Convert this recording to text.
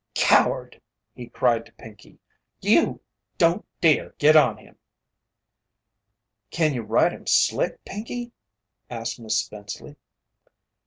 "Coward!" he cried to Pinkey. "You don't dare get on him!" "Can you ride him 'slick,' Pinkey?" asked Miss Spenceley.